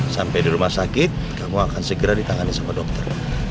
sampai di rumah sakit kamu akan segera ditangani sama dokter